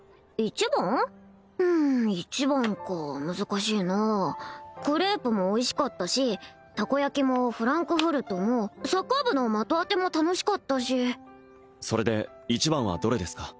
うん一番か難しいなクレープもおいしかったしたこ焼きもフランクフルトもサッカー部の的当ても楽しかったしそれで一番はどれですか？